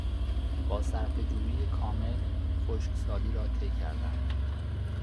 با صرفهجویی کامل خشکسالی را طی کردند.